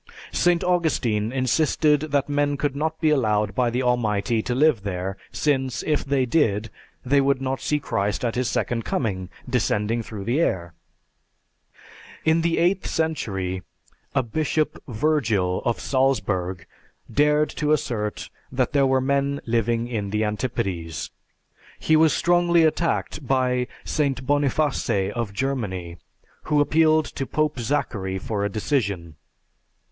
St. Augustine insisted that men could not be allowed by the Almighty to live there, since, if they did, they could not see Christ at His second coming, descending through the air. In the eighth century, a Bishop Virgil of Salzburg dared to assert that there were men living in the antipodes. He was strongly attacked by St. Boniface of Germany, who appealed to Pope Zachary for a decision.